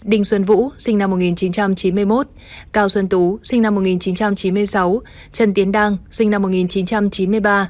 đình xuân vũ sinh năm một nghìn chín trăm chín mươi một cao xuân tú sinh năm một nghìn chín trăm chín mươi sáu trần tiến đang sinh năm một nghìn chín trăm chín mươi ba